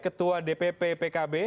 ketua dpp pkb